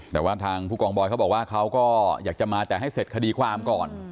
แต่ว่าทางผู้กองบอยเขาบอกว่าเขาก็อยากจะมาแต่ให้เสร็จคดีความก่อน